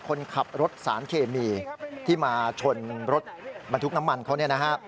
คนขับรถสารเคมีที่มาชนรถบรรทุกน้ำมันเขาเนี่ยนะฮะ